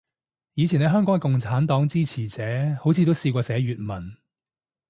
以前喺香港嘅共黨支持者好似都試過寫粵文